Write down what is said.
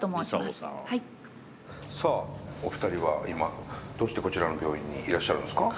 さあお二人は今どうしてこちらの病院にいらっしゃるんですか？